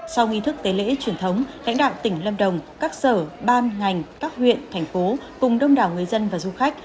sau nghi thức tế lễ truyền thống lãnh đạo tỉnh lâm đồng các sở ban ngành các huyện thành phố cùng đông đảo người dân và du khách